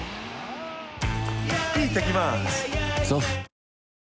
いってきます！